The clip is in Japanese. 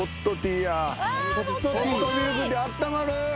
ホットミルクティーあったまる。